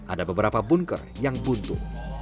ada beberapa bunker yang buntu